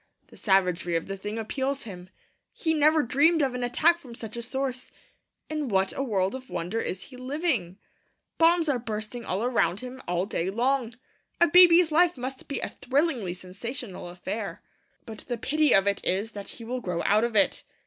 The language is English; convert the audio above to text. The savagery of the thing appals him; he never dreamed of an attack from such a source. In what a world of wonder is he living! Bombs are bursting all around him all day long. A baby's life must be a thrillingly sensational affair. But the pity of it is that he will grow out of it.